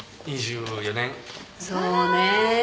そうねえ。